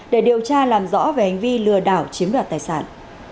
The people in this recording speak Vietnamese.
để điều tra làm rõ về hành vi lừa đảo chiếm đoạt tài sản